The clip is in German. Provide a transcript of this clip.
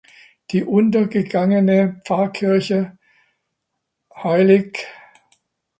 Die untergegangene Pfarrkirche hl.